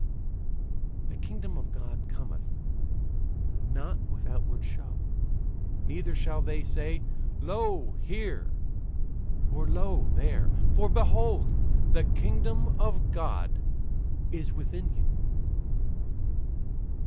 "The kingdom of God cometh not with outward show; neither shall they say, Lo here! or, Lo there! for behold, the kingdom of God is within you."